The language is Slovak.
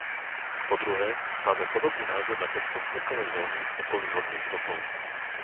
Po druhé, máme podobný názor na bezpostrekové zóny v okolí vodných tokov.